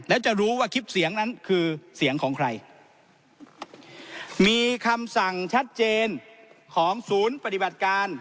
และจะรู้ว่าคลิปเสียงนั้นคือเสียงของใครมีคำสั่งชัดเจนของศูนย์ปฏิบัติการ